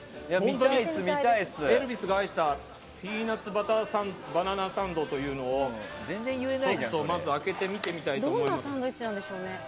エルヴィスが愛したピーナツバターバナナサンドをちょっと開けてみたいと思います。